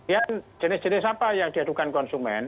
ya jenis jenis apa yang diadukan konsumen